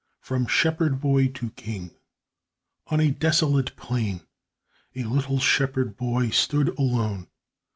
] From Shepherd Boy to King On a desolate plain, a little shepherd boy stood alone.